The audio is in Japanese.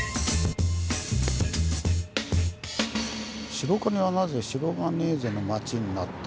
「白金はなぜシロガネーゼの街になった？」。